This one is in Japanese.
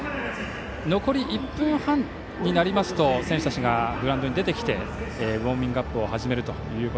残り１分半になりますと選手たちがグラウンドに出てきてウォーミングアップを始めます。